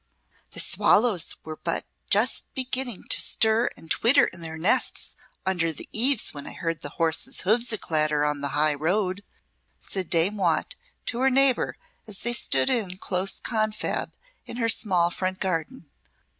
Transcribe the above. "The swallows were but just beginning to stir and twitter in their nests under the eaves when I heard the horses' hoofs a clatter on the high road," said Dame Watt to her neighbour as they stood in close confab in her small front garden.